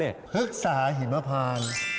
ฮึกสายหิมพาน